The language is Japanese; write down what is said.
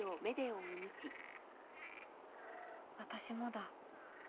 私もだ